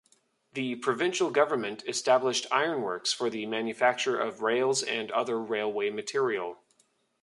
The provincial government established ironworks for the manufacture of rails and other railway material.